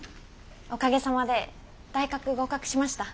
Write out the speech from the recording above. おかげさまで大学合格しました。